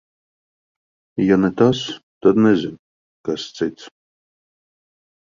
Ja ne tas, tad nezinu, kas cits.